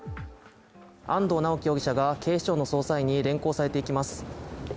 安藤巨樹容疑者が警視庁の捜査員に連行されていきます。